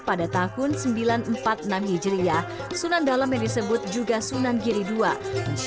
pada tahun seribu sembilan ratus empat puluh enam hijriah sunan dalam yang disebut juga sunan giri ii